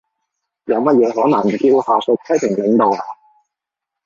有乜嘢可能叫下屬批評領導呀？